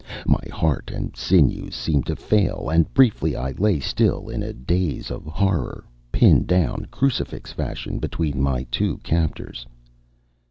My heart and sinews seemed to fail, and briefly I lay still in a daze of horror, pinned down crucifix fashion between my two captors.